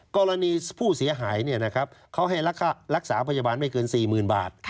กรณีผู้เสียหายเขาให้รักษาพยาบาลไม่เกิน๔๐๐๐บาท